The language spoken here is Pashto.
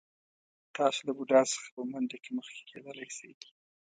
تاسو له بوډا څخه په منډه کې مخکې کېدلی شئ.